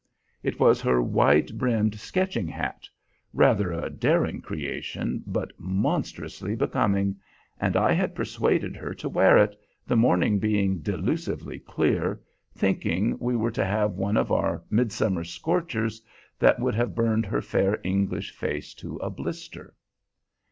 It was her wide brimmed sketching hat rather a daring creation but monstrously becoming, and I had persuaded her to wear it, the morning being delusively clear, thinking we were to have one of our midsummer scorchers that would have burned her fair English face to a blister.